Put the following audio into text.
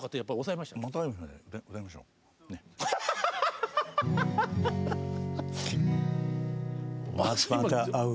「また逢う」